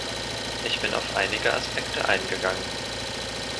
Ich bin auf einige Aspekte eingegangen.